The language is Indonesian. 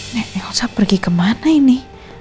nek yosa pergi kemana ini